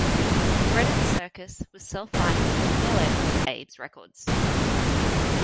"Bread and Circus" was self-financed through their label, Abe's Records.